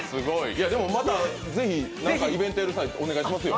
また、ぜひイベントやる際にお願いしますよ。